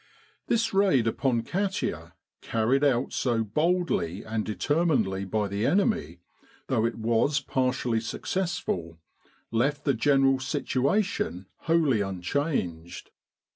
This raid upon Katia, carried out so boldly and determinedly by the enemy, though it was partially successful, left the general situation wholly un changed.